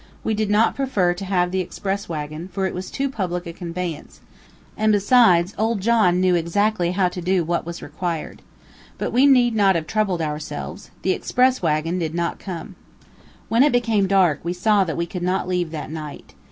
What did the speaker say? We did not prefer to have the express wagon, for it was too public a conveyance, and, besides, old John knew exactly how to do what was required. But we need not have troubled ourselves. The express wagon did not come. When it became dark, we saw that we could not leave that night.